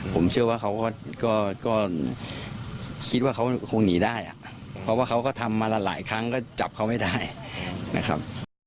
ผมเชื่อว่าเขาก็คิดว่าเขาคงหนีได้อ่ะเพราะว่าเขาก็ทำมาละหลายครั้งก็จับเขาไม่ได้นะครับ